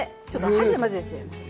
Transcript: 箸で混ぜちゃいます。